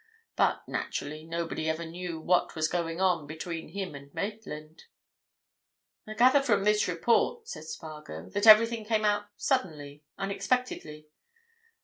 But, naturally, nobody ever knew what was going on between him and Maitland." "I gather from this report," said Spargo, "that everything came out suddenly—unexpectedly?"